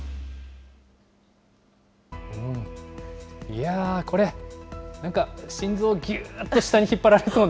いやー、これ、なんか心臓ぎゅーっと下に引っ張られそうな。